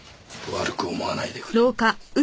悪く思わないでくれ。